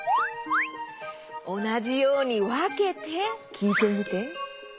おなじようにわけてきいてみて。